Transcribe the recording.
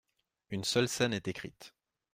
Une seule scène est écrite.